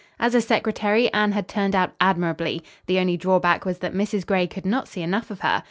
As a secretary Anne had turned out admirably. The only drawback was that Mrs. Gray could not see enough of her.